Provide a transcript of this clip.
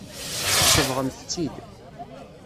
Tsebɣemt-tt-id.